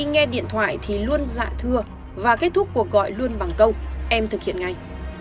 nghe điện thoại thì luôn dạ thưa và kết thúc cuộc gọi luôn bằng câu em thực hiện ngay